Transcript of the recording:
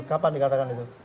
kapan dikatakan itu